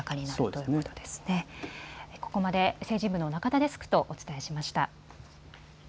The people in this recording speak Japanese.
ここまで政治部の中田デスクとお伝えしました。